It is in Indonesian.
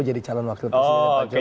jadi calon wakil presiden pak jokowi